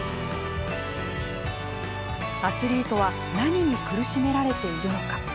アスリートは何に苦しめられているのか。